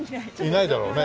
いないだろうね。